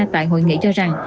tại hội nghị cho rằng